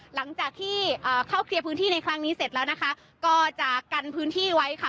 หลังจากที่เข้าเคลียร์พื้นที่ในครั้งนี้เสร็จแล้วนะคะก็จะกันพื้นที่ไว้ค่ะ